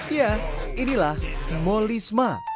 ya inilah ambolisma